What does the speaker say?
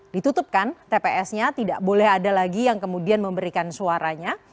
ditutupkan tps nya tidak boleh ada lagi yang kemudian memberikan suaranya